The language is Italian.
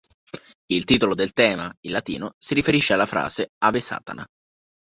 Il titolo del tema, in latino, si riferisce alla frase "Ave Satana".